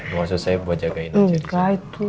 maksud saya bapak jangan berbicara sama suta ya